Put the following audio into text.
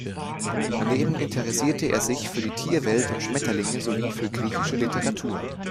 Daneben interessierte er sich für die Tierwelt und Schmetterlinge sowie für griechische Literatur.